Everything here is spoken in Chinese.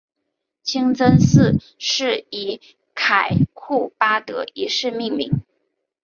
清真寺是以凯库巴德一世命名。